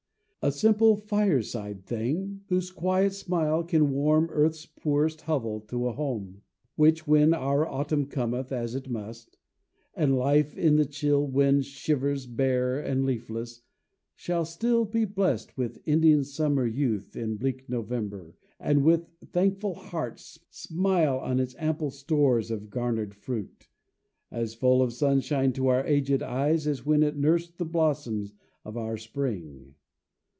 A simple, fireside thing, whose quiet smile Can warm earth's poorest hovel to a home; Which, when our autumn cometh, as it must, And life in the chill wind shivers bare and leafless, Shall still be blest with Indian summer youth In bleak November, and, with thankful heart, Smile on its ample stores of garnered fruit, As full of sunshine to our aged eyes As when it nursed the blossoms of our spring.